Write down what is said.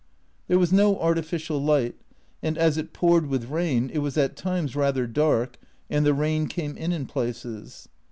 There was no artificial light, and as it poured with rain it was at times rather dark, and the rain came in in places.